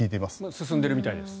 進んでいるみたいです。